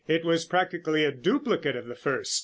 It was practically a duplicate of the first.